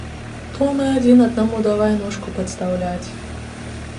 То мы адзін аднаму давай ножку падстаўляць.